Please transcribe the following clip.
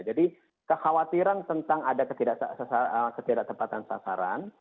jadi kekhawatiran tentang ada ketidaksepatan sasaran